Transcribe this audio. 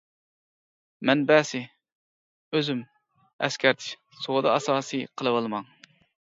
مەنبەسى : ئۆزۈم ئەسكەرتىش :سودا ئاساسىي قىلىۋالماڭ!